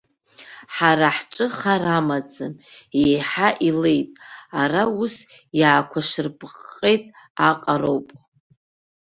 Ҳара ҳҿы хар амаӡам, еиҳа илеит, ара ус иаақәашырпҟҟеит аҟароуп.